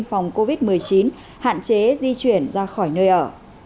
phòng covid một mươi chín hạn chế di chuyển ra khỏi nơi ở